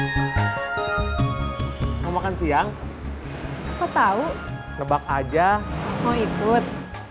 mau makan siang kau tahu ngebak aja mau ikut